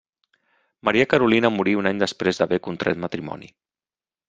Maria Carolina morí un any després d'haver contret matrimoni.